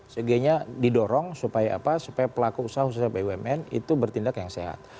sebagainya didorong supaya pelaku usaha khususnya bumn itu bertindak yang sehat